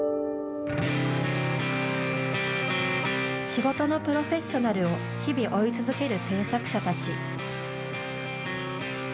仕事のプロフェッショナルを日々、追い続ける制作者たち。